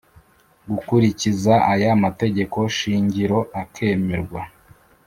Gukurikiza aya mategeko shingiro akemerwa